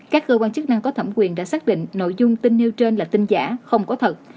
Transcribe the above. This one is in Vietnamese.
các cơ quan chức năng có thẩm quyền đã xác định nội dung tin nêu trên là tin giả không có thật